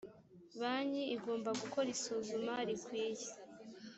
banki igomba gukora isuzuma rikwiye